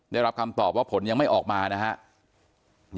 ได้รับคำตอบว่าผลยังไม่ออกมานะครับ